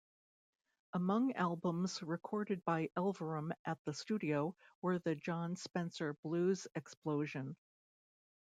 Among albums recorded by Elverum at the studio were the Jon Spencer Blues Explosion.